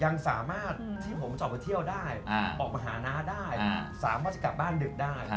ยังสามารถที่ผมจะออกมาเที่ยวได้ออกมาหาน้าได้สามารถจะกลับบ้านดึกได้